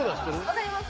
わかります。